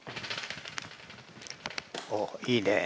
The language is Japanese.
おっいいねえ。